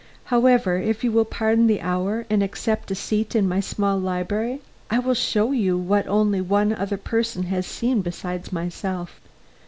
"However, if you will pardon the hour and accept a seat in my small library, I will show you what only one other person has seen besides myself."